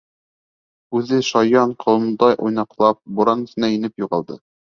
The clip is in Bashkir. Үҙе, шаян ҡолондай уйнаҡлап, буран эсенә инеп юғалды.